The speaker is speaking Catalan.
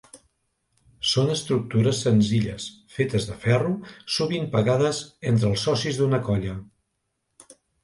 Són estructures senzilles fetes de ferro, sovint pagades entre els socis d'una colla.